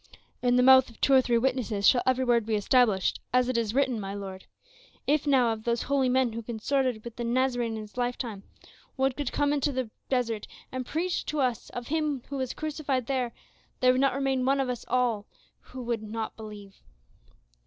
"'In the mouth of two or three witnesses shall every word be established,' as is it written, my lord. If now of those holy men who consorted with the Nazarene in his life time, one could come into the desert and preach to us of him that was crucified there would remain not one of us all who should not believe."